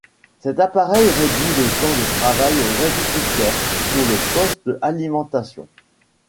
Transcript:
Cet appareil réduit le temps de travail aux agriculteurs pour le poste alimentation.